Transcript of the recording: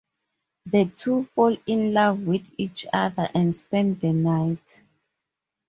The two fall in love with each other and spend the night.